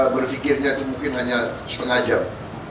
berfikirnya itu mungkin hanya setengah jam